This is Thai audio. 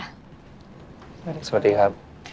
สวัสดีครับ